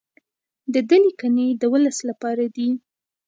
د ده لیکنې د ولس لپاره دي.